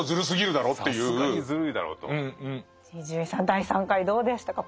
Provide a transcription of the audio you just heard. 第３回どうでしたか？